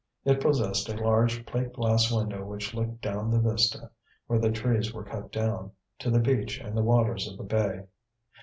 It possessed a large plate glass window which looked down the vista, where the trees were cut down, to the beach and the waters of the bay.